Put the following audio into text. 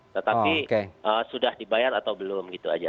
tetapi sudah dibayar atau belum gitu aja